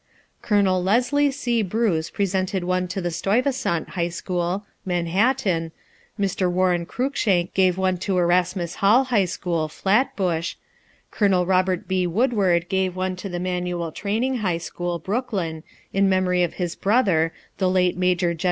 Col. Leslie C. Bruce presented one to the Stuyvesant High School (Manhattan), Mr. Warren Cruikshank gave one to Erasmus Hall High School (Flatbush), Col. Robert B. Woodward gave one to the Manual Training High School (Brooklyn) in memory of his brother, the late Maj. Gen.